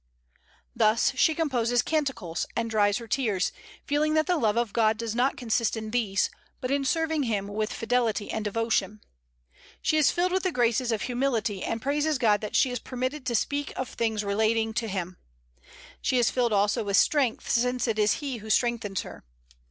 Thus she composes canticles and dries her tears, feeling that the love of God does not consist in these, but in serving Him with fidelity and devotion. She is filled with the graces of humility, and praises God that she is permitted to speak of things relating to Him. She is filled also with strength, since it is He who strengthens her.